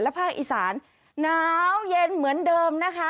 ภาคอีสานหนาวเย็นเหมือนเดิมนะคะ